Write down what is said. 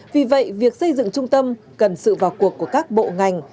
vì vậy việc xây dựng trung tâm cần sự vào cuộc của các bộ ngành